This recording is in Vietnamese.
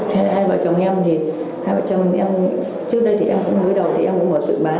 hai vợ chồng em thì hai vợ chồng em trước đây thì em cũng mới đầu thì em cũng bỏ tự bán